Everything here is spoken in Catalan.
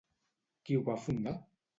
Qui ho va fundar?